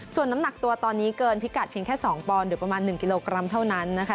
ส่วนน้ำหนักตัวตอนนี้เกินพิกัดเพียงแค่๒ปอนด์หรือประมาณ๑กิโลกรัมเท่านั้นนะคะ